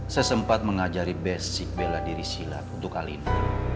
saya sempat mengajari basic bela diri silap untuk alina